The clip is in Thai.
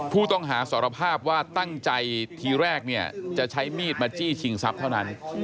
ผู้ต้องหาสารภาพว่าตั้งใจทีแรกเนี่ยจะใช้มีดมาจี้ชิงทรัพย์เท่านั้น